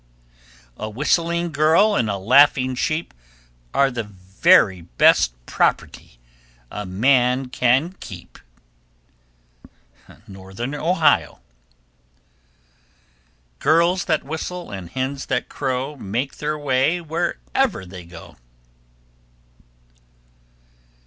1337. A whistling girl and a laughing sheep, Are the very best property a man can keep. Northern Ohio. 1338. Girls that whistle and hens that crow Make their way wherever they go.